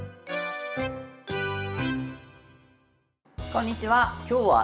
こんにちは。